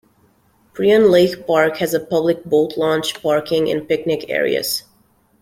Prien Lake Park has a public boat launch, parking, and picnic areas.